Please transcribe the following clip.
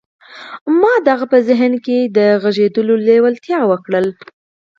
ما د هغه په ذهن کې د غږېدلو لېوالتیا وکرله